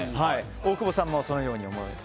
大久保さんもそのように思われて。